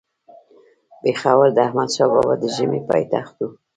پيښور د احمدشاه بابا د ژمي پايتخت وو